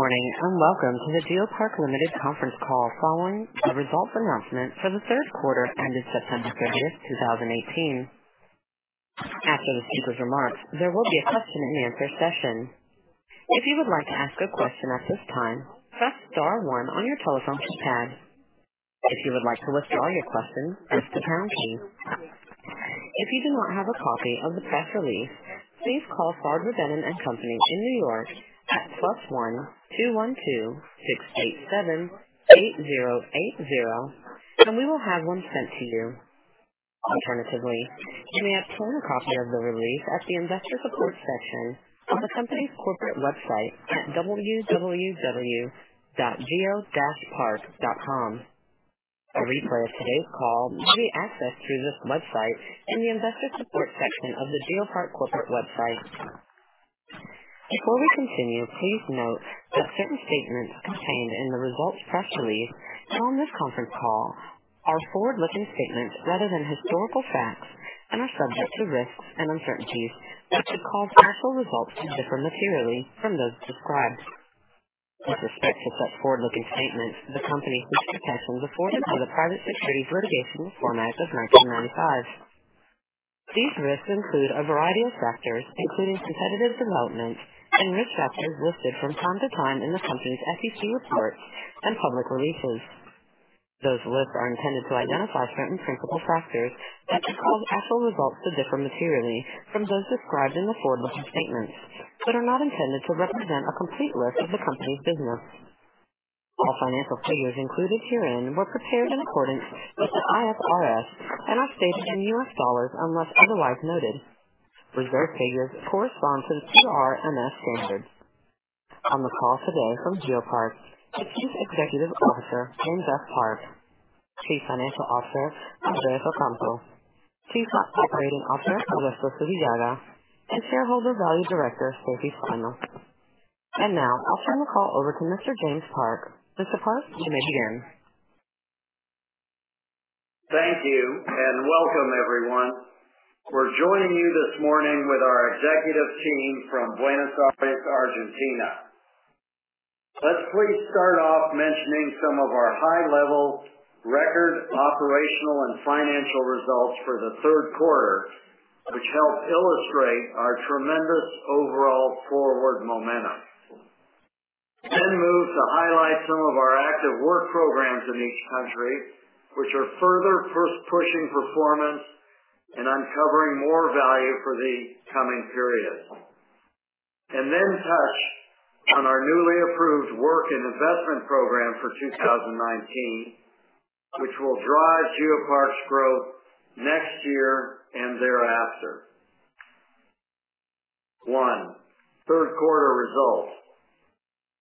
Good morning, welcome to the GeoPark Limited conference call following the results announcement for the third quarter ended September 30th, 2018. After the speaker's remarks, there will be a question and answer session. If you would like to ask a question at this time, press star one on your telephone keypad. If you would like to withdraw your question, press the pound key. If you do not have a copy of the press release, please call Sard Verbinnen & Co in New York at +1-212-687-8080. We will have one sent to you. Alternatively, you may obtain a copy of the release at the investor support section on the company's corporate website at www.geopark.com. A replay of today's call may be accessed through this website in the investor support section of the GeoPark corporate website. Before we continue, please note that certain statements contained in the results press release and on this conference call are forward-looking statements rather than historical facts and are subject to risks and uncertainties that could cause actual results to differ materially from those described. With respect to such forward-looking statements, the company seeks the protections afforded by the Private Securities Litigation Reform Act of 1995. These risks include a variety of factors, including competitive developments and risk factors listed from time to time in the company's SEC reports and public releases. Those risks are intended to identify certain principal factors that could cause actual results to differ materially from those described in the forward-looking statements but are not intended to represent a complete list of the company's business. All financial figures included herein were prepared in accordance with the IFRS and are stated in US dollars, unless otherwise noted. Reserve figures correspond to the PRMS standards. On the call today from GeoPark is Chief Executive Officer, James Park, Chief Financial Officer, Andres Ocampo, Chief Operating Officer, Augusto Zubillaga, and Shareholder Value Director, Stacy Arnold. Now I'll turn the call over to Mr. James Park. Mr. Park, you may begin. Thank you, and welcome everyone. We're joining you this morning with our executive team from Buenos Aires, Argentina. Let's please start off mentioning some of our high-level record operational and financial results for the third quarter, which help illustrate our tremendous overall forward momentum. Move to highlight some of our active work programs in each country, which are further pushing performance and uncovering more value for the coming periods. Touch on our newly approved work and investment program for 2019, which will drive GeoPark's growth next year and thereafter. One, third quarter results.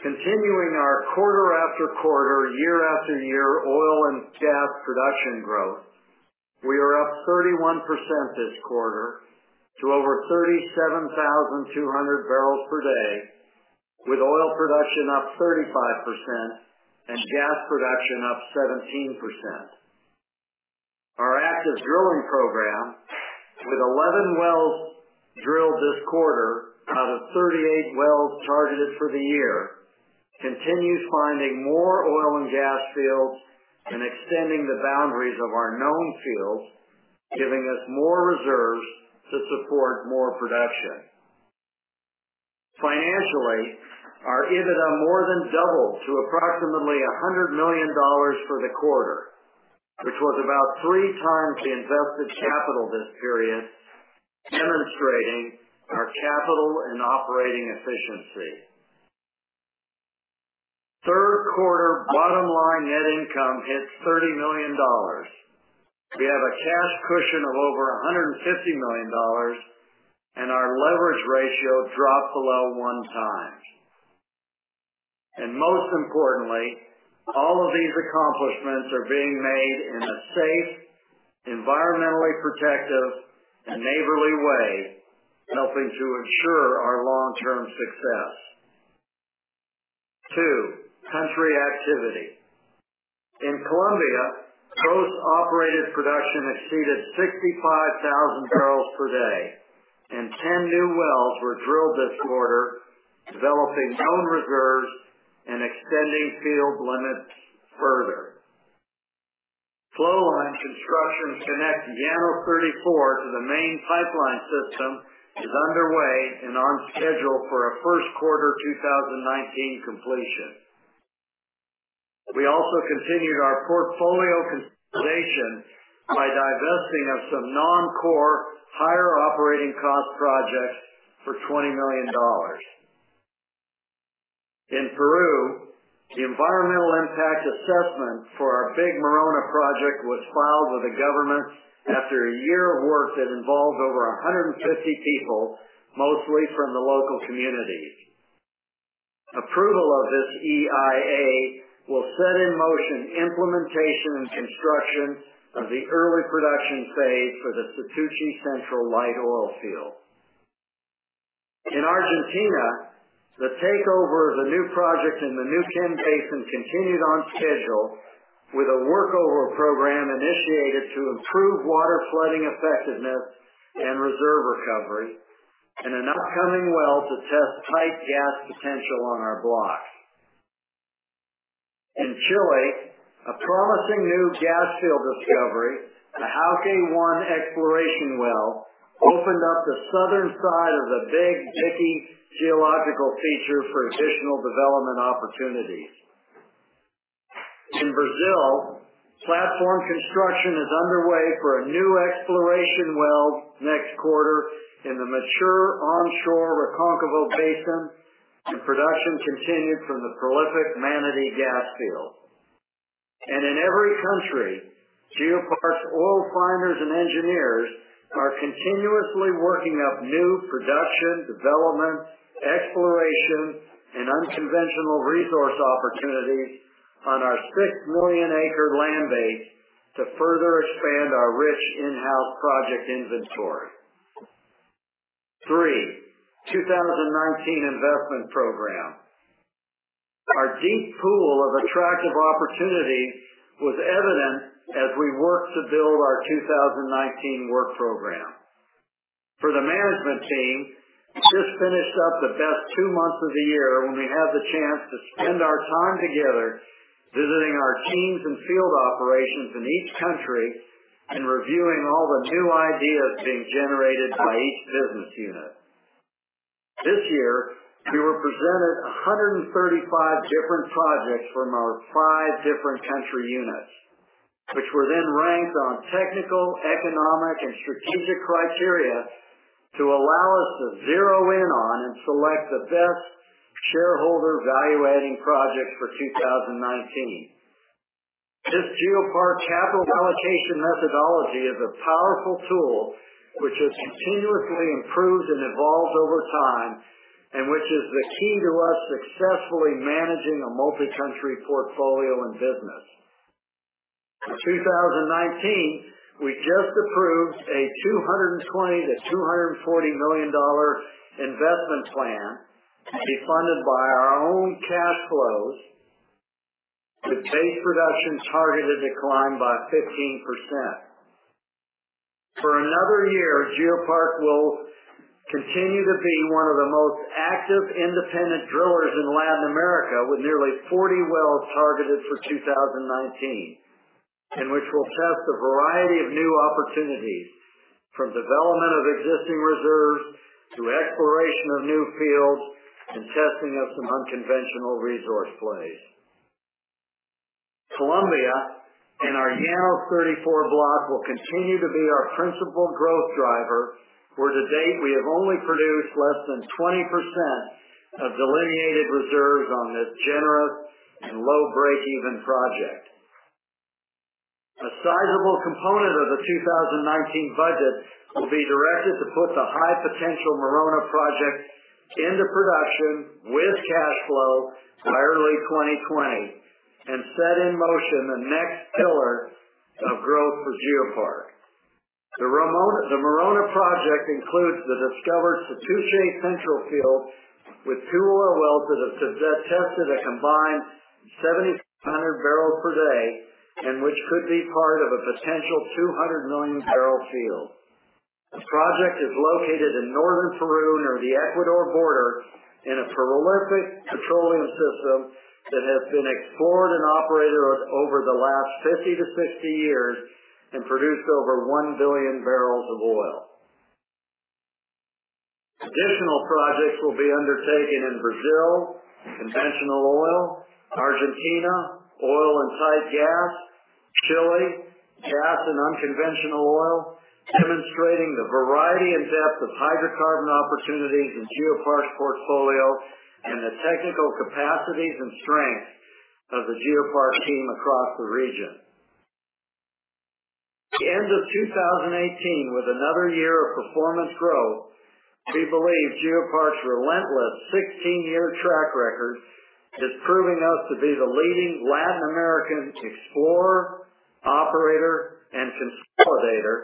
Continuing our quarter after quarter, year after year oil and gas production growth. We are up 31% this quarter to over 37,200 barrels per day, with oil production up 35% and gas production up 17%. Our active drilling program, with 11 wells drilled this quarter out of 38 wells targeted for the year, continues finding more oil and gas fields and extending the boundaries of our known fields, giving us more reserves to support more production. Financially, our EBITDA more than doubled to approximately $100 million for the quarter, which was about three times the invested capital this period, demonstrating our capital and operating efficiency. Third quarter bottom line net income hits $30 million. We have a cash cushion of over $150 million, and our leverage ratio dropped below 1 times. Most importantly, all of these accomplishments are being made in a safe, environmentally protective, and neighborly way, helping to ensure our long-term success. 2. Country activity. In Colombia, gross operated production exceeded 65,000 barrels per day, 10 new wells were drilled this quarter, developing known reserves and extending field limits further. Flow line construction to connect Llanos 34 to the main pipeline system is underway and on schedule for a first quarter 2019 completion. We also continued our portfolio consolidation by divesting of some non-core higher operating cost projects for $20 million. In Peru, the environmental impact assessment for our Big Morona project was filed with the government after a year of work that involved over 150 people, mostly from the local community. Approval of this EIA will set in motion implementation and construction of the early production phase for the Situche Central light oil field. In Argentina, the takeover of the new project in the Neuquén Basin continued on schedule with a workover program initiated to improve waterflooding effectiveness and reserve recovery, an upcoming well to test tight gas potential on our block. In Chile, a promising new gas field discovery, the Jauke-1 exploration well, opened up the southern side of the big Miki geological feature for additional development opportunities. In Brazil, platform construction is underway for a new exploration well next quarter in the mature onshore Recôncavo Basin, and production continued from the prolific Manati gas field. In every country, GeoPark oil finders and engineers are continuously working up new production, development, exploration, and unconventional resource opportunities on our 6 million acre land base to further expand our rich in-house project inventory. 3. 2019 investment program. Our deep pool of attractive opportunities was evident as we worked to build our 2019 work program. For the management team, we just finished up the best two months of the year when we had the chance to spend our time together visiting our teams and field operations in each country and reviewing all the new ideas being generated by each business unit. This year, we were presented 135 different projects from our five different country units, which were then ranked on technical, economic, and strategic criteria to allow us to zero in on and select the best shareholder value adding projects for 2019. This GeoPark capital allocation methodology is a powerful tool which has continuously improved and evolved over time, which is the key to us successfully managing a multi-country portfolio and business. For 2019, we just approved a $220 million-$240 million investment plan to be funded by our own cash flows, with base production targeted to climb by 15%. For another year, GeoPark will continue to be one of the most active independent drillers in Latin America, with nearly 40 wells targeted for 2019, which will test a variety of new opportunities, from development of existing reserves to exploration of new fields and testing of some unconventional resource plays. Colombia and our Llanos 34 block will continue to be our principal growth driver, where to date we have only produced less than 20% of delineated reserves on this generous and low breakeven project. A sizable component of the 2019 budget will be directed to put the high potential Morona project into production with cash flow by early 2020, and set in motion the next pillar of growth for GeoPark. The Morona project includes the discovered Situche Central Field with two oil wells that have tested a combined 7,300 barrels per day, which could be part of a potential 200 million barrel field. This project is located in northern Peru near the Ecuador border in a prolific petroleum system that has been explored and operated over the last 50 to 60 years and produced over one billion barrels of oil. Additional projects will be undertaken in Brazil, conventional oil, Argentina, oil and tight gas, Chile, gas and unconventional oil, demonstrating the variety and depth of hydrocarbon opportunities in GeoPark's portfolio and the technical capacities and strength of the GeoPark team across the region. At the end of 2018 with another year of performance growth, we believe GeoPark's relentless 16-year track record is proving us to be the leading Latin American explorer, operator, and consolidator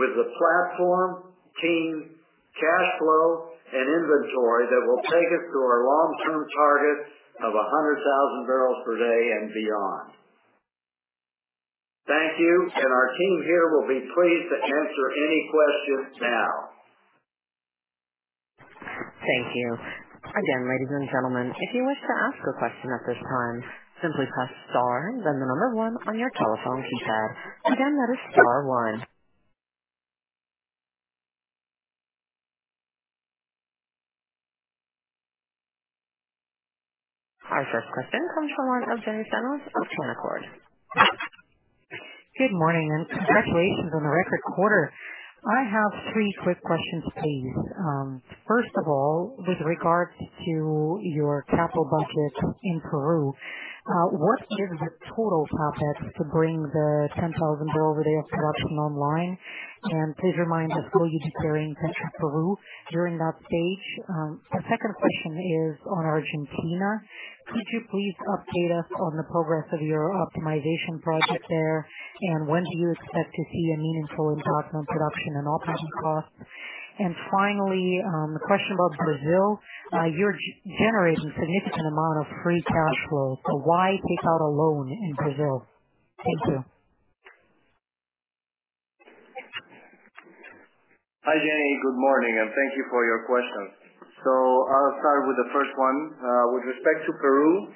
with the platform, team, cash flow, and inventory that will take us to our long-term target of 100,000 barrels per day and beyond. Thank you. Our team here will be pleased to answer any questions now. Thank you. Again, ladies and gentlemen, if you wish to ask a question at this time, simply press star then the number one on your telephone keypad. Again, that is star one. Our first question comes from the line of Jenny Chen of Canaccord. Good morning, and congratulations on the record quarter. I have three quick questions please. First of all, with regards to your capital budget in Peru, what is the total CapEx to bring the 10,000 barrel per day of production online, and please remind us how you'd be carrying Petroperú during that stage. The second question is on Argentina. Could you please update us on the progress of your optimization project there, and when do you expect to see a meaningful impact on production and operating costs? Finally, a question about Brazil. You're generating significant amount of free cash flow, why take out a loan in Brazil? Thank you. Hi, Jenny. Good morning, and thank you for your questions. I'll start with the first one. With respect to Peru,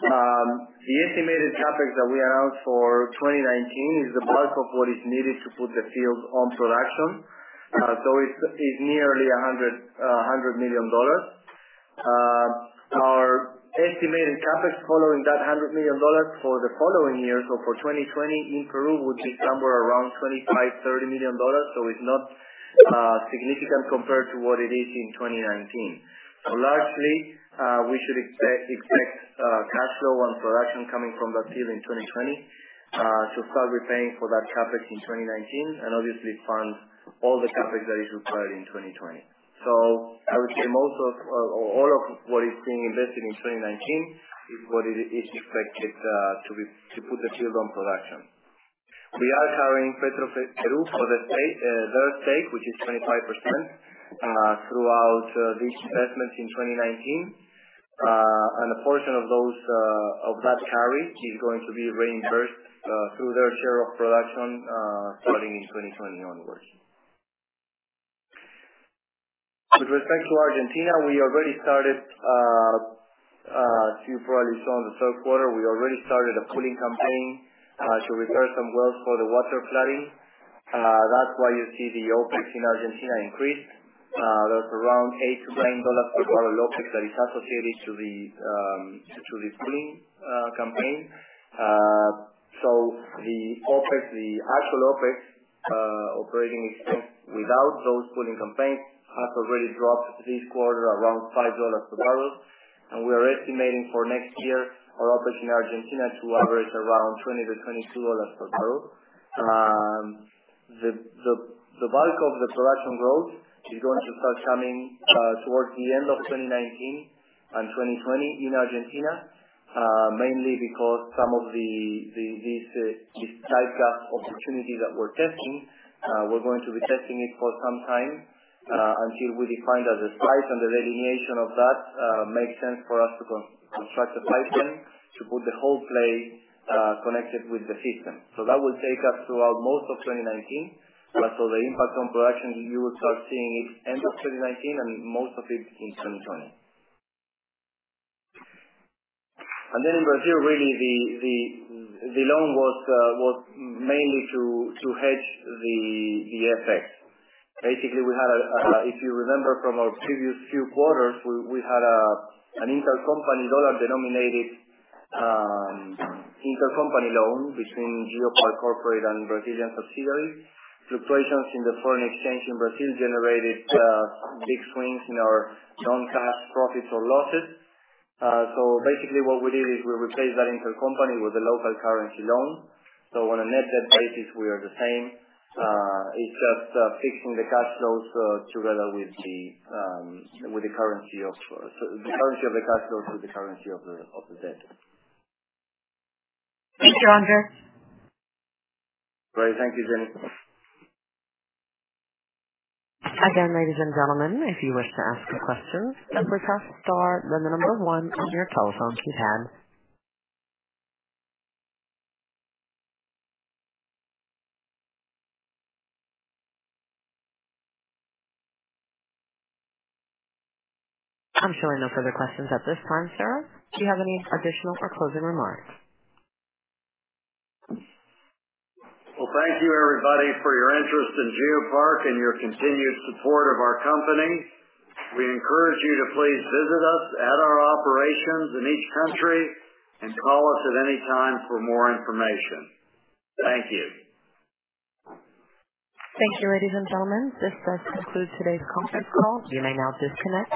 the estimated CapEx that we announced for 2019 is the bulk of what is needed to put the field on production. It's nearly $100 million. Our estimated CapEx following that $100 million for the following year, for 2020 in Peru, would be somewhere around $25 million-$30 million. It's not significant compared to what it is in 2019. Largely, we should expect cash flow and production coming from that field in 2020 to start repaying for that CapEx in 2019 and obviously fund all the CapEx that is required in 2020. I would say most of or all of what is being invested in 2019 is what is expected to be to put the field on production. We are carrying Petroperú for their stake, which is 25%, throughout these investments in 2019. A portion of those of that carry is going to be reimbursed through their share of production starting in 2020 onwards. With respect to Argentina, we already started, as you probably saw in the third quarter, we already started a pulling campaign to repair some wells for the waterflooding. That's why you see the OpEx in Argentina increase. That's around $8-$9 per barrel OpEx that is associated to the pulling campaign. The OpEx, the actual OpEx, operating expense without those pulling campaigns, has already dropped this quarter around $5 per barrel. We are estimating for next year our OpEx in Argentina to average around $20-$22 per barrel. The bulk of the production growth is going to start coming towards the end of 2019 and 2020 in Argentina, mainly because some of this type of opportunity that we're testing, we're going to be testing it for some time until we define that the slice and the delineation of that makes sense for us to construct a pipeline to put the whole play connected with the system. That will take us throughout most of 2019. The impact on production, you will start seeing it end of 2019 and most of it in 2020. In Brazil, really the loan was mainly to hedge the FX. We had a, if you remember from our previous few quarters, we had an intercompany dollar-denominated intercompany loan between GeoPark corporate and Brazilian subsidiary. Fluctuations in the foreign exchange in Brazil generated big swings in our non-cash profits or losses. What we did is we replaced that intercompany with a local currency loan. On a net debt basis, we are the same. It's just fixing the cash flows together with the currency of the cash flows with the currency of the debt. Thanks, Andres. All right. Thank you, Jenny. Again, ladies and gentlemen, if you wish to ask a question, please press star then the number 1 on your telephone keypad. I'm showing no further questions at this time. Sir, do you have any additional or closing remarks? Well, thank you, everybody, for your interest in GeoPark and your continued support of our company. We encourage you to please visit us at our operations in each country and call us at any time for more information. Thank you. Thank you, ladies and gentlemen. This does conclude today's conference call. You may now disconnect.